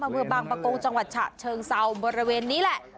อำเภอบางประกงจังหวัดฉะเชิงเซาบริเวณนี้แหละ